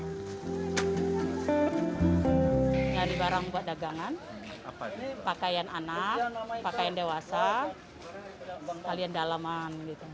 pakaian dagangan pakaian anak pakaian dewasa pakaian dalaman